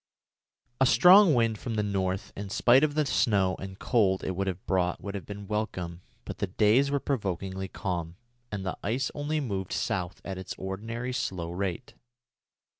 A strong wind from the north, in spite of the snow and cold it would have brought, would have been welcome; but the days were provokingly calm, and the ice only moved south at its ordinary slow rate.